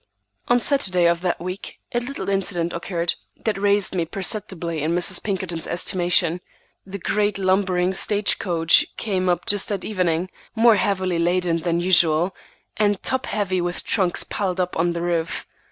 On Saturday of that week a little incident occurred that raised me perceptibly in Mrs. Pinkerton's estimation. The great, lumbering stage coach came up just at evening, more heavily laden than usual, and top heavy with trunks piled up on the roof.